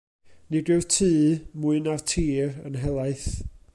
Nid yw'r tŷ, mwy na'r tir, yn helaeth.